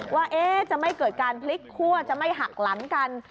ว่าจะไม่เกิดการพลิกคั่วจะไม่หักหลังกัน